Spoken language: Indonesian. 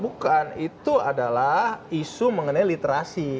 bukan itu adalah isu mengenai literasi